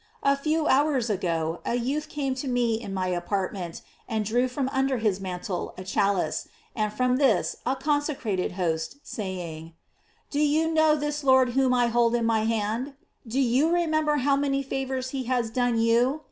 A few hours ago, a youth came to me in my apartment, and drew from under his mantle a chalice, and from this a consecrated host, saying: 'Do you know this Lord whom I hold in ray hand ? Do you remember how many favors he has done you